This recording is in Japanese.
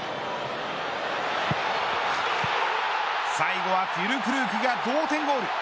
最後はフュルクルークが同点ゴール。